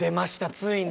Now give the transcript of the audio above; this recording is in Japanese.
ついに。